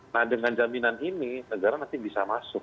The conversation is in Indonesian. nah dengan jaminan ini negara nanti bisa masuk